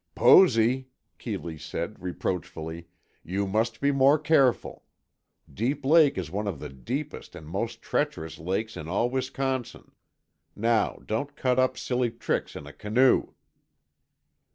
"Posy," Keeley said, reproachfully, "you must be more careful. Deep Lake is one of the deepest and most treacherous lakes in all Wisconsin. Now, don't cut up silly tricks in a canoe."